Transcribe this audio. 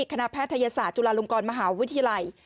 แพทยศาสตร์จุฬาลงกรมหาวิทยาลัย